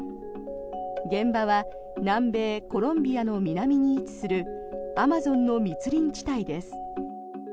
現場は南米コロンビアの南に位置するアマゾンの密林地帯です。